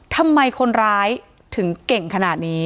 ทำไมคนร้ายถึงเก่งขนาดนี้